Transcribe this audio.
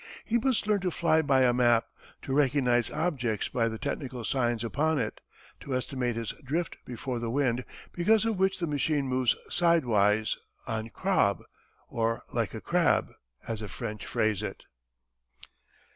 He must learn to fly by a map, to recognize objects by the technical signs upon it, to estimate his drift before the wind because of which the machine moves sidewise en crabe or like a crab as the French phrase it.